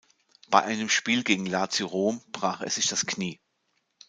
Bei einem Spiel gegen Lazio Rom brach er sich das Knie.